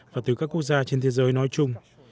và từ các quốc gia trên thế giới nói chung